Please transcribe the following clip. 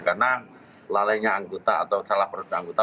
karena lalainya anggota atau salah perusahaan anggota